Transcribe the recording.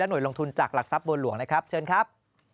หน่วยลงทุนจากหลักทรัพย์บัวหลวงนะครับเชิญครับ